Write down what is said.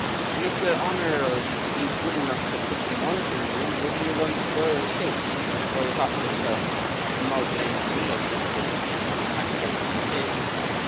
"And if your honour 'll be good enough to put them on for me, maybe you won't spoil the shape." For he thought to himself, "Small blame to me if the little gentleman can't get them to fit."